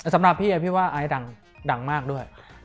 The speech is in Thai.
สำหรับพี่พี่ว่าไอซ์ดังมากด้วย